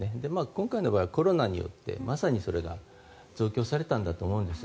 今回の場合、コロナによってまさにそれが増強されたんだと思うんです。